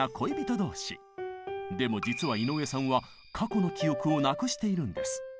でも実は井上さんは過去の記憶をなくしているんです。